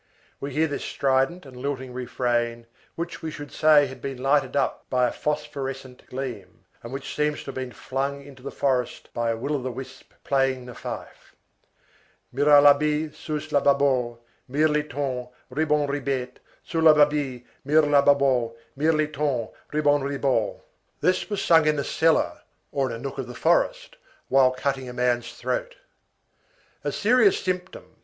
We hear this strident and lilting refrain which we should say had been lighted up by a phosphorescent gleam, and which seems to have been flung into the forest by a will o' the wisp playing the fife:— Miralabi suslababo Mirliton ribonribette Surlababi mirlababo Mirliton ribonribo. This was sung in a cellar or in a nook of the forest while cutting a man's throat. A serious symptom.